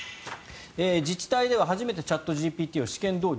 自治体では初めてチャットＧＰＴを試験導入